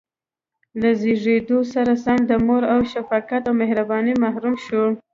له زېږېدو سره سم د مور له شفقت او مهربانۍ محروم شو.